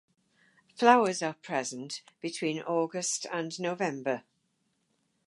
Flowers are present between August and November.